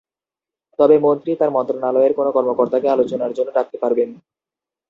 তবে মন্ত্রী তার মন্ত্রণালয়ের কোনো কর্মকর্তাকে আলোচনার জন্য ডাকতে পারবেন।